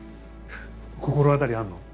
心当たりあるの？